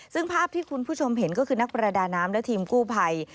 ซึ่งภาพที่คุณผู้ชมเห็นก็คือนักประดาน้ำและทีมกู้ภัย